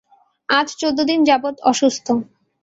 আজ চোদ্দ দিন যাবৎ অসুস্থ।